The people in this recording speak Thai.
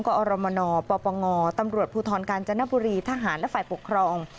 อรมนปปงตำรวจภูทรกาญจนบุรีทหารและฝ่ายปกครอง